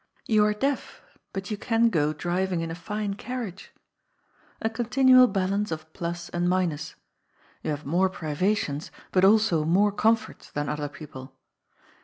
You are deaf, but you can go driving in a fine carriage." A continual balance of plus and minus. You have more privations, but also more comforts than other people.